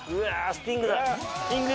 スティングだ。